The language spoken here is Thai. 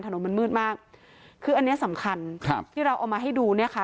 ถนนมันมืดมากคืออันเนี้ยสำคัญครับที่เราเอามาให้ดูเนี่ยค่ะ